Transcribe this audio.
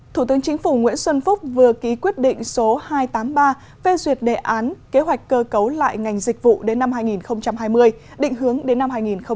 thủ tướng chính phủ nguyễn xuân phúc vừa ký quyết định số hai trăm tám mươi ba về duyệt đề án kế hoạch cơ cấu lại ngành dịch vụ đến năm hai nghìn hai mươi định hướng đến năm hai nghìn ba mươi